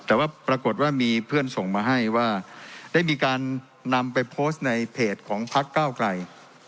แต่ว่าปรากฏว่ามีเพื่อนส่งมาให้ว่าได้มีการนำไปโพสต์ในเพจของพักเก้าไกล